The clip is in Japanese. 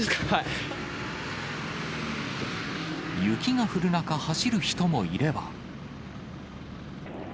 雪が降る中、走る人もいれば。